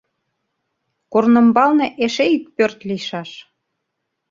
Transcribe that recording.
Корнымбалне эше ик пӧрт лийшаш.